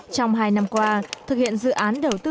trong hai năm qua thực hiện dự án đầu tư xây dựng